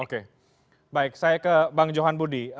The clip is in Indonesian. oke baik saya ke bang johan budi